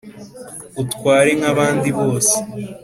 utware nk'abandi bose.'